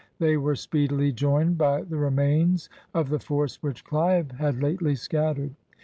They were speedily joined by the remains of the force which Clive had lately scattered.